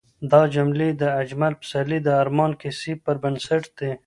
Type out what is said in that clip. دا جملې د اجمل پسرلي د ارمان کیسې پر بنسټ دي.